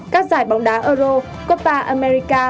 các giải bóng đá euro copa america